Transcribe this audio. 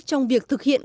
trong việc thực hiện